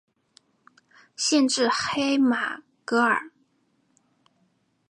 县治黑马戈尔。